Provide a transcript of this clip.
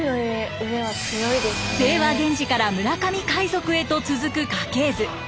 清和源氏から村上海賊へと続く家系図。